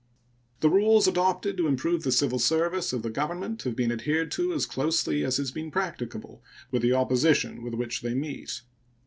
The rules adopted to improve the civil service of the Government have been adhered to as closely as has been practicable with the opposition with which they meet.